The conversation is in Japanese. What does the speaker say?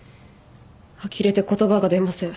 あきれて言葉が出ません。